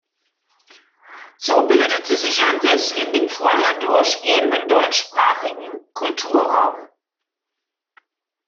So bildete sich ein Riss in dem vorher durchgehenden deutschsprachigen Kulturraum.